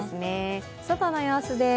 外の様子です。